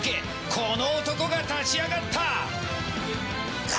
この男が立ち上がった！